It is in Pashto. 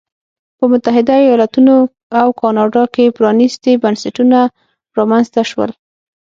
په متحده ایالتونو او کاناډا کې پرانیستي بنسټونه رامنځته شول.